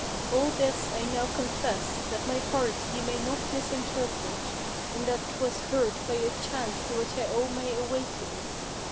All this I now confess, that my heart ye may not misinterpret, In that 'twas hurt by a chance to which I owe my awaking.